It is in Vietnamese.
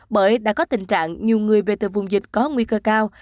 bởi đã có tình trạng nhiều người về từ vùng dịch có nguy cơ cao